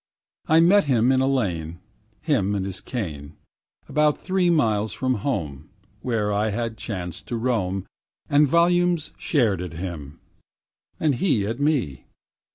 I met him in a lane, Him and his cane, About three miles from home, Where I had chanced to roam, And volumes stared at him, and he at me.